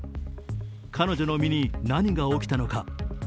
彼女の身に何が起きたのか？